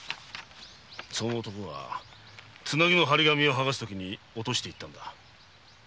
その男がツナギの貼り紙を剥がすとき落としていったのだ。